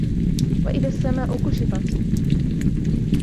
وَإِذَا السَّمَاء كُشِطَتْ